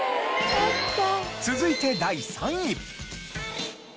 続いて第３位。